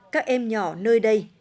các em nhỏ nơi đây